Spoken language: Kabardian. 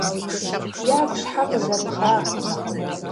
- Ягу щхьэ къызэбгъа?